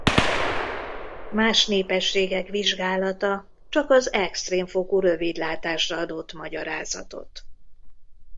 Más népességek vizsgálata csak az extrém fokú rövidlátásra adott magyarázatot.